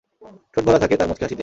ঠোঁট ভরা থাকে তার মুচকি হাসিতে।